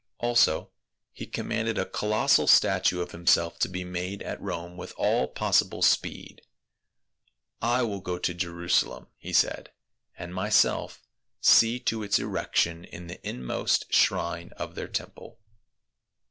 Also he com manded a colossal statue of himself to be made at Rome with all possible speed. " I will go to Jerusalem," he said, " and myself see to its erection in the inmost shrine of their temple."